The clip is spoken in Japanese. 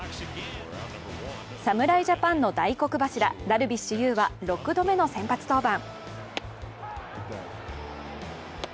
侍ジャパンの大黒柱、ダルビッシュ有は６度目の先発登板。